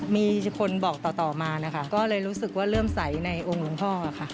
มีคนบอกต่อมานะคะก็เลยรู้สึกว่าเริ่มใสในองค์หลวงพ่อค่ะ